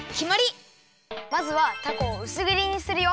まずはたこをうすぎりにするよ。